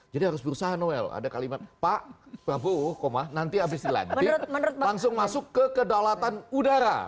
jadi harus berusaha noel ada kalimat pak nanti habis dilantik langsung masuk ke dalawatan udara